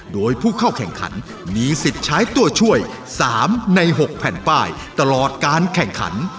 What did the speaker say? โดยผู้เข้าแข่งขันมีสิทธิ์ใช้ตัวช่วย๓ใน๖แผ่นป้ายตลอดการแข่งขัน